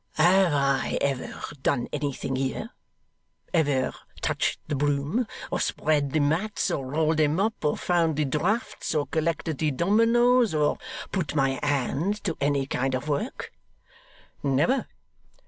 'Have I ever done anything here? Ever touched the broom, or spread the mats, or rolled them up, or found the draughts, or collected the dominoes, or put my hand to any kind of work?' 'Never!